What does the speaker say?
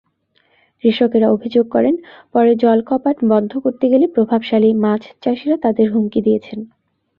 কৃষকেরা অভিযোগ করেন, পরে জলকপাট বন্ধ করতে গেলে প্রভাবশালী মাছচাষিরা তাঁদের হুমকি দিয়েছেন।